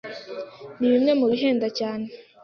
ni bimwe mu bihenda cyane,